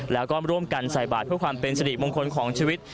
แล้วก็ร่วมกันใส่บาทเพื่อความเป็นสิริมงคลของชีวิต